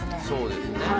そうですね